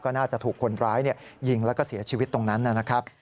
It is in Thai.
น่าจะถูกคนร้ายยิงแล้วก็เสียชีวิตตรงนั้นนะครับ